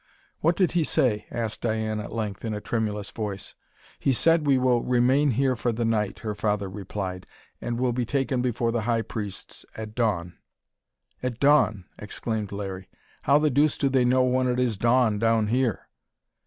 "What did he say?" asked Diane at length, in a tremulous voice. "He said we will remain here for the night," her father replied, "and will be taken before the high priests at dawn." "At dawn!" exclaimed Larry. "How the deuce do they know when it is dawn, down here?"